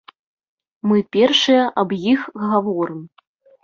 Мы першыя аб іх гаворым.